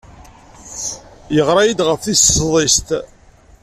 Yeɣra-iyi-d ɣef tis sḍiset.